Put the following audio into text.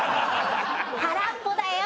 空っぽだよ。